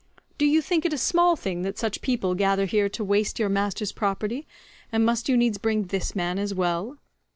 Do you think it a small thing that such people gather here to waste your master's property—and must you needs bring this man as well?"